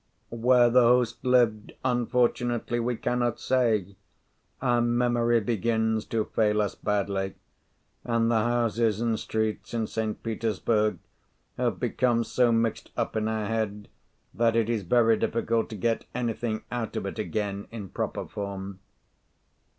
Where the host lived, unfortunately we cannot say: our memory begins to fail us badly; and the houses and streets in St. Petersburg have become so mixed up in our head that it is very difficult to get anything out of it again in proper form.